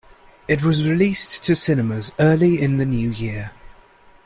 It was released to cinemas early in the New Year.